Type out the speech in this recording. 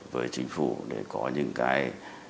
với chính phủ để có những cái